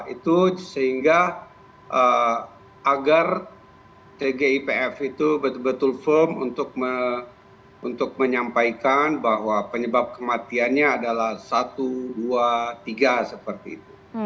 itu sehingga agar tgipf itu betul betul firm untuk menyampaikan bahwa penyebab kematiannya adalah satu dua tiga seperti itu